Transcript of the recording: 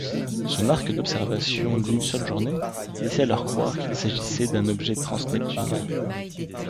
Son arc d'observation d'une seule journée laissait alors croire qu'il s'agissait d'un objet transneptunien.